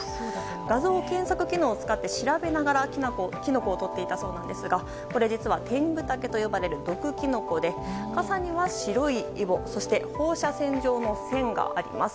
画像検索機能を使って調べながらキノコをとっていたそうなんですがこれ、実はテングタケと呼ばれる毒キノコでかさには白いイボそして放射線状の線があります。